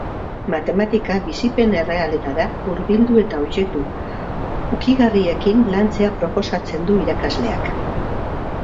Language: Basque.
Matematika bizipen errealetara hurbildu eta objektu ukigarriekin lantzea proposatzen du irakasleak.